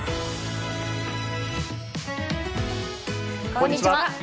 こんにちは。